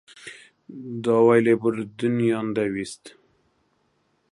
داوای لێبوردنیان دەویست.